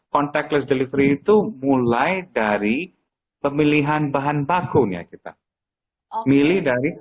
contactless delivery itu mulai dari pemilihan bahan bakunya kita